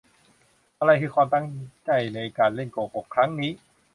อะไรคือความตั้งใจในการเล่นโกหกครั้งนี้ ?